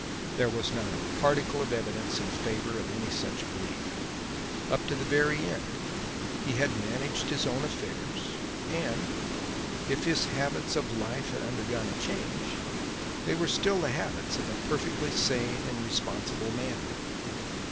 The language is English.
There was not a particle of evidence in favour of any such belief. Up to the very end he had managed his own affairs, and, if his habits of life had undergone a change, they were still the habits of a perfectly sane and responsible man.